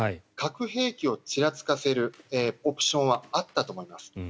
核兵器をちらつかせるオプションはあったと思います。